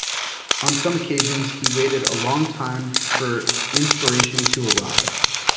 On some occasions he waited a long time for inspiration to arrive.